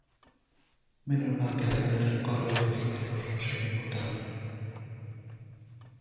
Menos mal que alguén me recorda que os galegos nos seguen votando.